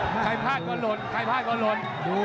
ใครพลาดก็หล่น